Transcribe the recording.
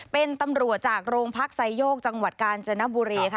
เป็นตำรวจจากโรงพักไซโยกจังหวัดกาญจนบุรีค่ะ